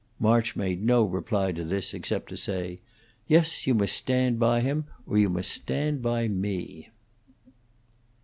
March made no reply to this, except to say, "Yes, you must stand by him, or you must stand by me."